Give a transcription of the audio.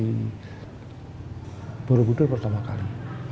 dan menemukan borobudur pertama kali